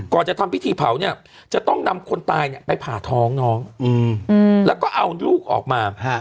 ก่อนจะทำพิธีเผาเนี่ยจะต้องนำคนตายเนี่ยไปผ่าท้องน้องแล้วก็เอาลูกออกมา